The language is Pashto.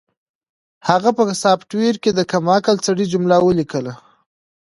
هغه په سافټویر کې د کم عقل سړي جمله ولیکله